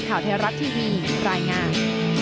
ข่าวไทยรัฐทีวีรายงาน